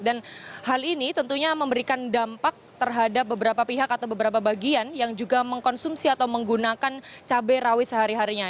dan hal ini tentunya memberikan dampak terhadap beberapa pihak atau beberapa bagian yang juga mengkonsumsi atau menggunakan cabai rawit sehari harinya